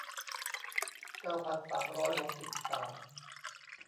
เก้าพันสามร้อยหกสิบสาม